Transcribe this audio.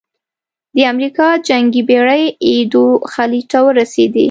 د امریکا جنګي بېړۍ ایدو خلیج ته ورسېدې.